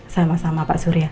sama sama pak surya